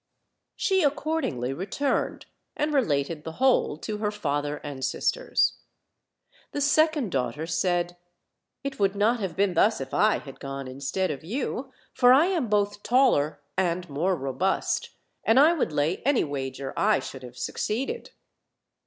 She accordingly returned, and related the whole to her father and sisters. The second daughter said: "It would not have been thus if I had gone instead of yoa, for I am both taller and more robust, and I would lay any wager I should have succeeded."